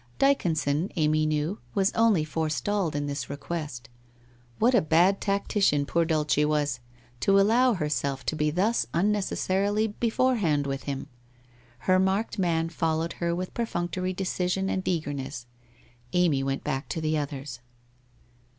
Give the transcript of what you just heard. Dyconson, Amy knew, was only forestalled in this request. What a bad tactician poor Dulcc was, to allow herself to be thus unnecessarily beforehand with him ! Her marked man followed her with perfunctory decision and eagerness. Amy went back to the others.